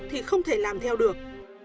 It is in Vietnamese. thì không thể làm theo được